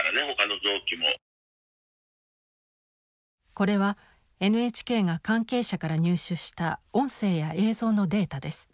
これはＮＨＫが関係者から入手した音声や映像のデータです。